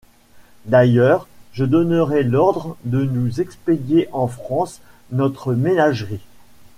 D’ailleurs, je donnerai l’ordre de nous expédier en France notre ménagerie.